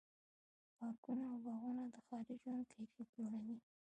پارکونه او باغونه د ښاري ژوند کیفیت لوړوي.